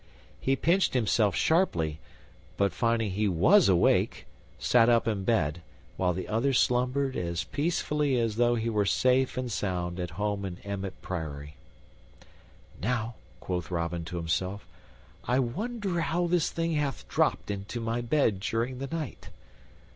He pinched himself sharply, but, finding he was awake, sat up in bed, while the other slumbered as peacefully as though he were safe and sound at home in Emmet Priory. "Now," quoth Robin to himself, "I wonder how this thing hath dropped into my bed during the night."